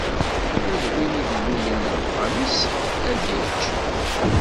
Ula d win i d-ilulen deg uxxam-is, ad yečč.